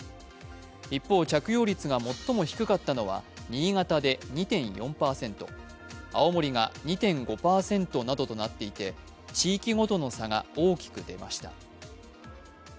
一方、着用率が最も低かったのは新潟で２．４％、青森が２．５％などとなっていて地域ごとの差が大きく出ました。